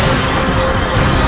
aku tidak percaya